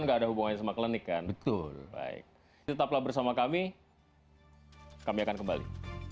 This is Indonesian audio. enggak ada hubungannya sama klinik kan betul baik tetaplah bersama kami kami akan kembali